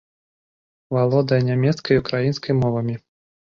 Валодае нямецкай і ўкраінскай мовамі.